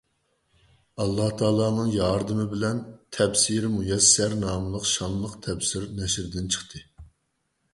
ئاللاھ تائالانىڭ ياردىمى بىلەن «تەپسىرى مۇيەسسەر» ناملىق شانلىق تەپسىر نەشردىن چىقتى.